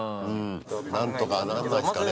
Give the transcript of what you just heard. なんとかならないっすかね？